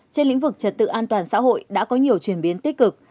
trên lĩnh vực trật tự an toàn xã hội đã có nhiều chuyển biến tích cực